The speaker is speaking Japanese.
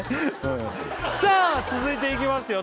うんさあ続いていきますよ